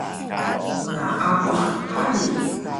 Naaguh hari